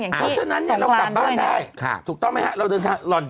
อย่างที่สงครานด้วยนะครับค่ะถูกต้องไหมฮะเราเดินทางหล่อน